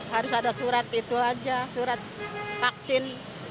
harus ada surat itu aja surat vaksin